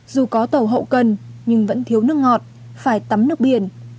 dù có tàu hậu cần nhưng vẫn thiếu nước ngọt phải tắm nước biển